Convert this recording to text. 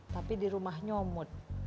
tapi di rumah nyomot